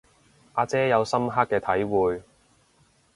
阿姐有深刻嘅體會